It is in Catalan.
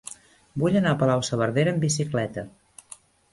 Vull anar a Palau-saverdera amb bicicleta.